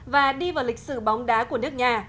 và đi vào lịch sử bóng đá của nước nhà